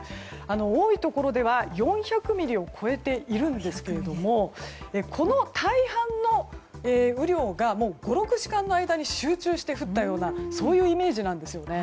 多いところでは４００ミリを超えていますがこの大半の雨量が５６時間の間に集中して降ったようなイメージなんですね。